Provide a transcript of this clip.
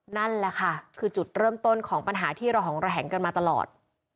นั่นแหละค่ะคือจุดเริ่มต้นของปัญหาที่ระหองระแหงกันมาตลอด